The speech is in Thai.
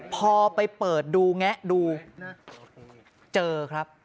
พอไปเปิดดูแงะดูเจอครับ